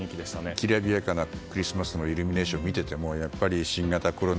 きらびやかなクリスマスのイルミネーションを見ててもやっぱり新型コロナ